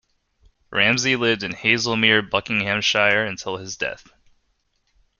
Ramsay lived in Hazlemere, Buckinghamshire until his death.